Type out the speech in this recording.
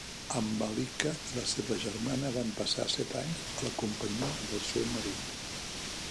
Ambalika i la seva germana van passar set anys a la companyia del seu marit.